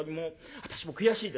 私も悔しいですからね